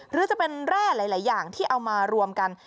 หรือจะเป็นแร่หลายอย่างที่เอามารวมกัน